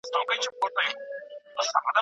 ځکه د ايران جګړه